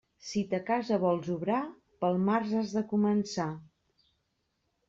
Si ta casa vols obrar, pel març has de començar.